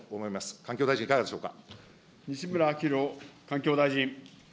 環境大臣、いかがでしょうか。